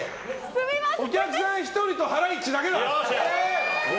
お客さん１人とハライチだけだ。